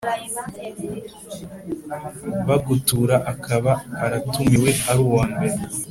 bagutura akaba aratumiwe ari uwa mbere